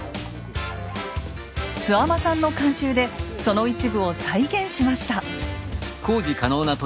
諏訪間さんの監修でその一部を再現しました。